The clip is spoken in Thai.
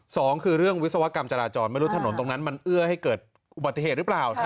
สองคือเรื่องวิศวกรรมจราจรไม่รู้ถนนตรงนั้นมันเอื้อให้เกิดอุบัติเหตุหรือเปล่า